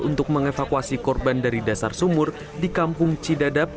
untuk mengevakuasi korban dari dasar sumur di kampung cidadap